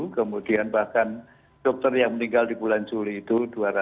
kemudian bahkan dokter yang meninggal di bulan juli itu dua ratus